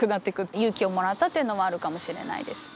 勇気をもらったというのはあるかもしれないです。